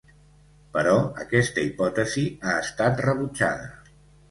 Però aquesta hipòtesi ha estat rebutjada.